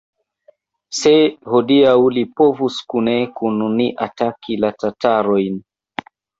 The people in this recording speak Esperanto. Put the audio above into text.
se hodiaŭ li povus kune kun ni ataki la tatarojn!